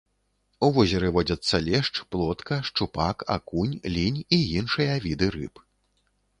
У возеры водзяцца лешч, плотка, шчупак, акунь, лінь і іншыя віды рыб.